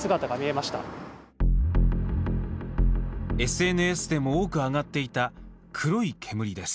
ＳＮＳでも多く上がっていた黒い煙です。